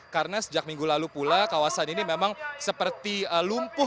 karena sejak minggu lalu pula kawasan ini memang seperti lumpuh